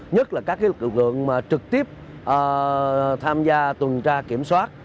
nhất là các lực lượng trực tiếp tham gia tuần tra kiểm soát